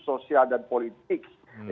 sosial dan politik